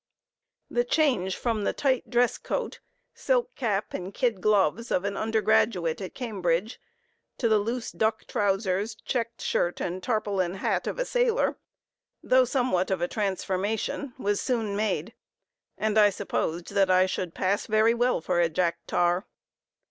The change from the tight dress coat, silk cap and kid gloves of an undergraduate at Cambridge, to the loose duck trousers, checked shirt and tarpaulin hat of a sailor, though somewhat of a transformation, was soon made, and I supposed that I should pass very well for a jack tar.